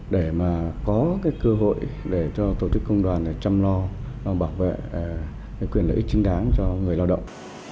để mà có cái cơ hội để cho tổ chức công đoàn chăm lo bảo vệ quyền lợi ích chính đáng cho người lao động